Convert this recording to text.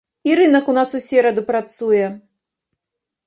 І рынак у нас у сераду працуе.